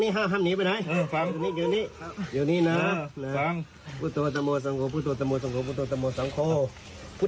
ห้าหามหนีไว้ใหนตรงนี้